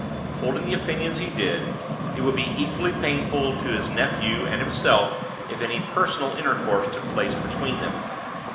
Holding the opinions he did, it would be equally painful to his nephew and himself if any personal intercourse took place between them.